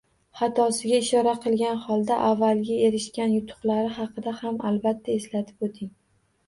Xatosiga ishora qilgan holda avvalgi erishgan yutuqlari haqida ham albatta eslatib o‘ting.